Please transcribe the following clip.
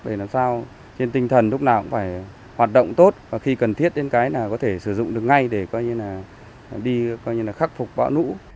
để làm sao trên tinh thần lúc nào cũng phải hoạt động tốt và khi cần thiết đến cái là có thể sử dụng được ngay để đi khắc phục bão lũ